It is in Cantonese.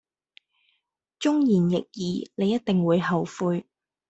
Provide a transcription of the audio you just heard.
忠言逆耳你一定會後悔